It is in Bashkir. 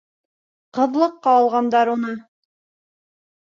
Ҡыҙлыҡҡа алғандар уны.